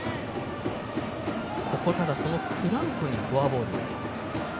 フランコにフォアボール。